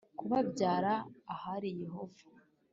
Kubabyara ahari yehova